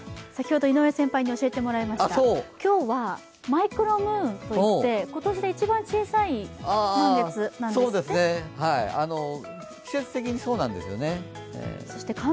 先ほど井上先輩に教えてもらいました今日はマイクロムーンといって今年一番小さい満月なんですって。